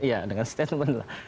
iya dengan statement lah